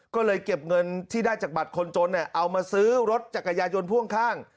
ก็เลยเก็บเงินที่ได้จากบัตรคนจนเอามาซื้อรถจักรยายนพ่วงข้าง